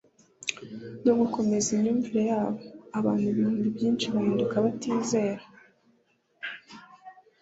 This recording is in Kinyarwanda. no gukomeza imyumvire yabo. Abantu ibihutnbi byinshi bahinduka abatizera